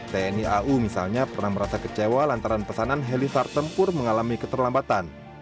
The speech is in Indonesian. tni au misalnya pernah merasa kecewa lantaran pesanan heli start tempur mengalami keterlambatan